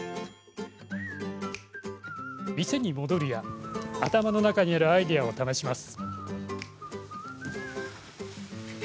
店に戻るや頭の中にあるアイデアを試します。